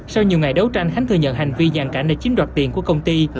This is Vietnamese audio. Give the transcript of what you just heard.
sau nhiều ngày đấu tranh khánh thừa nhận hành vi giàn cảnh để chiếm đoạt tiền của công ty